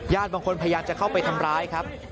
บางคนพยายามจะเข้าไปทำร้ายครับ